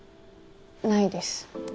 ないです